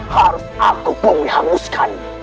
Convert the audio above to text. harus aku pun dihaluskan